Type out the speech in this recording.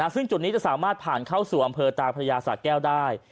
ซึ่งจุดนี้จะสามารถผ่านเข้าสู่อำเภอตาพระยาสะแก้วได้